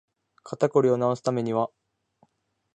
肩こりを治すためには